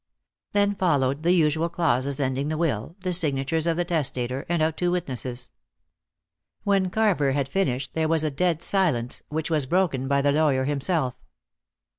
Then followed the usual clauses ending the will, the signatures of the testator, and of two witnesses. When Carver had finished there was a dead silence, which was broken by the lawyer himself.